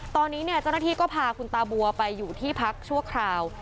ตอนนี้เนี่ยเจ้าหน้าที่ก็พาคุณตาบัวไปอยู่ที่พักชั่วคราว